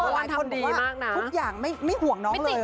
หลายคนบอกว่าทุกอย่างไม่ห่วงน้องเลย